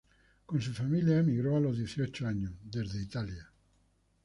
Con su familia, emigró a los dieciocho años, desde Italia.